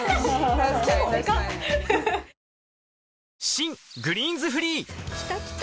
新「グリーンズフリー」きたきた！